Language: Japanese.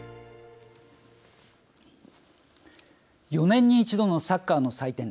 ４年に１度のサッカーの祭典